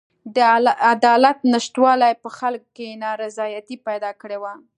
د عدالت نشتوالي په خلکو کې نارضایتي پیدا کړې وه.